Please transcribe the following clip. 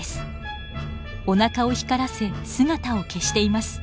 おなかを光らせ姿を消しています。